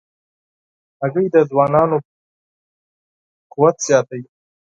هګۍ د ځوانانو قوت زیاتوي.